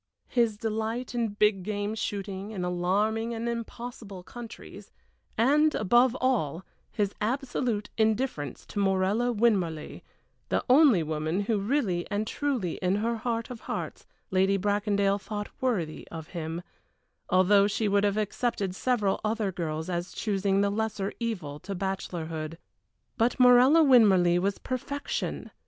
his delight in big game shooting in alarming and impossible countries and, above all, his absolute indifference to Morella Winmarleigh, the only woman who really and truly in her heart of hearts Lady Bracondale thought worthy of him, although she would have accepted several other girls as choosing the lesser evil to bachelorhood. But Morella Winmarleigh was perfection!